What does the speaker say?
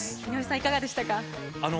井上さん、いかがでしたか？